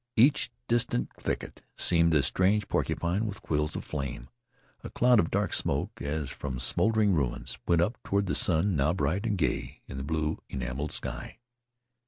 Each distant thicket seemed a strange porcupine with quills of flame. A cloud of dark smoke, as from smoldering ruins, went up toward the sun now bright and gay in the blue, enameled sky.